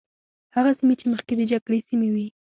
هغه سیمې چې مخکې د جګړې سیمې وي.